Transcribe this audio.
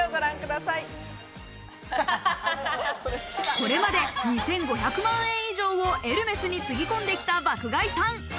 これまで２５００万円以上をエルメスにつぎ込んできた爆買いさん。